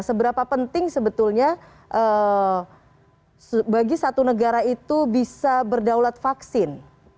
seberapa penting sebetulnya bagi satu negara itu bisa berdaulat vaksin